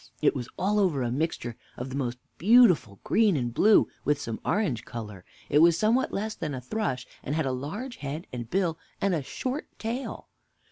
It was all over a mixture of the most beautiful green and blue, with some orange color. It was somewhat less than a thrush, and had a large head and bill, and a short tail.